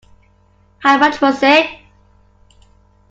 How much was it.